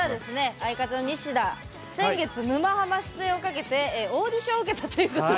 相方のニシダ先月「沼ハマ」出演をかけてオーディションを受けたということで。